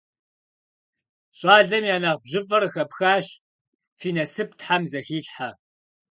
Щӏалэм я нэхъ бжьыфӏэр къыхэпхащ, фи насып тхьэм зэхилъхьэ.